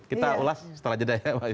kita ulas setelah jeda ya